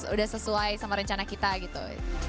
udah sesuai sama rencana kita gitu